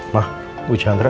ma bu chandra